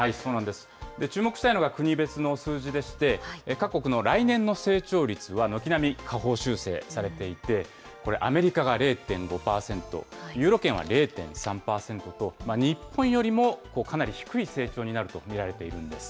注目したいのが国別の数字でして、各国の来年の成長率は軒並み下方修正されていて、これ、アメリカが０．５％、ユーロ圏は０．３％と、日本よりもかなり低い成長になると見られているんです。